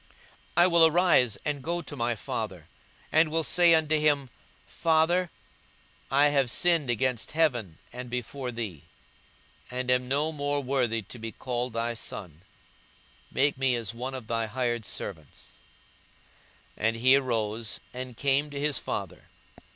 42:015:018 I will arise and go to my father, and will say unto him, Father, I have sinned against heaven, and before thee, 42:015:019 And am no more worthy to be called thy son: make me as one of thy hired servants. 42:015:020 And he arose, and came to his father.